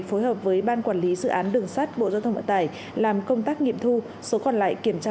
phối hợp với ban quản lý dự án đường sắt bộ giao thông vận tải làm công tác nghiệm thu số còn lại kiểm tra